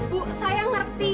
bu saya ngerti